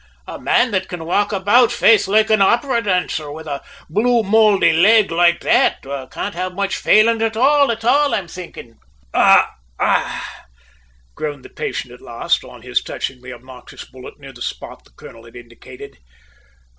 "A man that can walk about, faith, loike an opera dancer, with a blue mouldy leg loike that, can't have much faling at all, at all, I'm thinkin'!" "Ah!" groaned his patient at last, on his touching the obnoxious bullet near the spot the colonel had indicated.